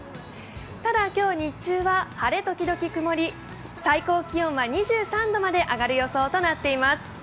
ただ、今日日中は晴れときどき曇り最高気温は２３度まで上がる予想となっています。